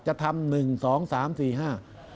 จะทำหนึ่งสองสามสี่ห้า